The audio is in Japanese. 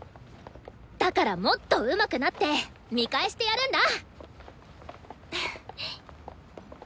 だからもっとうまくなって見返してやるんだ！